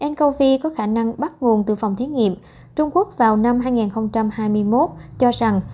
ncov có khả năng bắt nguồn từ phòng thí nghiệm trung quốc vào năm hai nghìn hai mươi một cho rằng